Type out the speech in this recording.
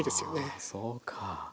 あそうか。